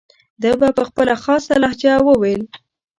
ده به په خپله خاصه لهجه وویل.